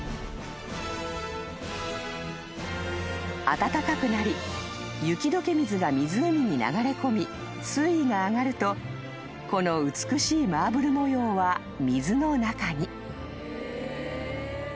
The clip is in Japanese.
［暖かくなり雪解け水が湖に流れ込み水位が上がるとこの美しいマーブル模様は水の中に］